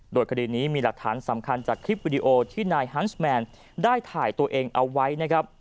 โดยคดีนี้มีหลักฐานสำคัญจากคลิปวิดีโอที่นายฮันส์แมนได้ถ่ายตัวเองเอาไว้นะครับ